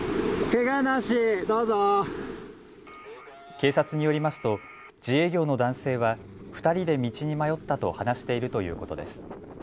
警察によりますと自営業の男性は２人で道に迷ったと話しているということです。